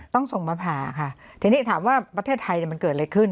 ต้องส่งมาผ่าค่ะทีนี้ถามว่าประเทศไทยมันเกิดอะไรขึ้น